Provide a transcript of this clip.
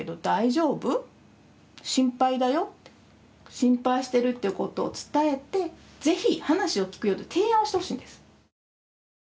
心配しているということを伝えてぜひ話を聞くよと提案してほしいんです。